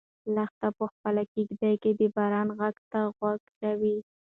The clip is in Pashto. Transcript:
لښتې په خپله کيږدۍ کې د باران غږ ته غوږ شو.